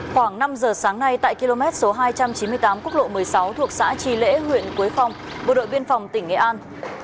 khoảng năm giờ sáng nay tại km số hai trăm chín mươi tám quốc lộ một mươi sáu thuộc xã tri lễ huyện quế phong bộ đội biên phòng tỉnh nghệ an